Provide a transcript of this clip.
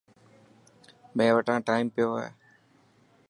مين وٽان ٽائم پيو هي.